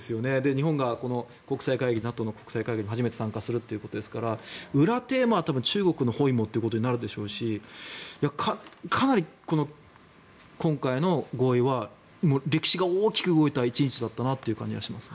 日本が国際会議ＮＡＴＯの国際会議に初めて参加するということですから裏テーマは、中国の包囲網ということになるでしょうしかなり今回の合意は歴史が大きく動いた１日だったなという気がします。